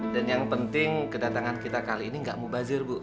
dan yang penting kedatangan kita kali ini gak mubazir bu